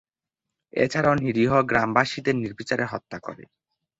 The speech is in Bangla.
এছাড়াও নিরীহ গ্রামবাসিদের নির্বিচারে হত্যা করে।